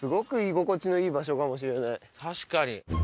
確かに。